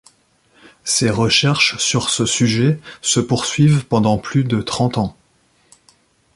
Ses recherches sur ce sujet se poursuivent pendant plus de trente ans.